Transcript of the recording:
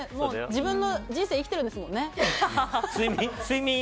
自分の人生を生きてるんですもんね。